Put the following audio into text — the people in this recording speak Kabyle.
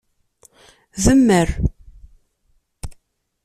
Demmer!